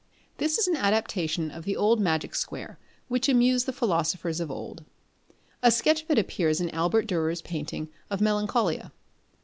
This is an adaptation of tho old magic square, which amused the philosophers of old. A sketch of it appears in Albert Durer's painting of Melancholia.